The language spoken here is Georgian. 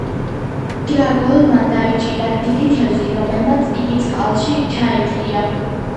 დეაგოლმა დაიჭირა დიდი თევზი, რომელმაც იგი წყალში ჩაითრია.